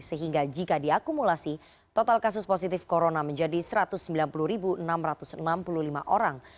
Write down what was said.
sehingga jika diakumulasi total kasus positif corona menjadi satu ratus sembilan puluh enam ratus enam puluh lima orang